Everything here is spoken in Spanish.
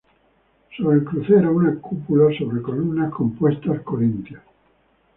Sobre el crucero, una cúpula sobre columnas compuestas corintias.